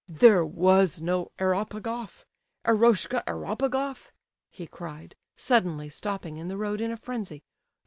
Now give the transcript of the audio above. "There was no Eropegoff? Eroshka Eropegoff?" he cried, suddenly, stopping in the road in a frenzy.